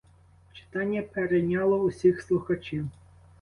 Читання перейняло усіх слухачів.